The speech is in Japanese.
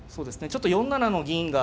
ちょっと４七の銀が。